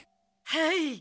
はい。